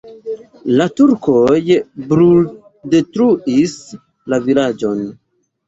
La turkoj bruldetruis la vilaĝon.